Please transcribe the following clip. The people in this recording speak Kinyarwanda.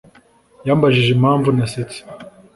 Yambajije impamvu nasetse